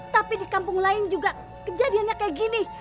tapi di kampung lain juga kejadiannya kayak gini